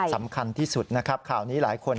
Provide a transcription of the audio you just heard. สำคัญที่สุดนะครับ